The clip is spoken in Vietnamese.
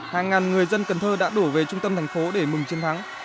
hàng ngàn người dân cần thơ đã đổ về trung tâm thành phố để mừng chiến thắng